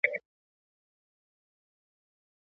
تکنالوژي د نړۍ په هر ګوټ کې خپره شوې ده.